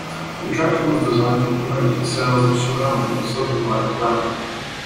The attraction was designed to promote the sales of surrounding, subdivided land.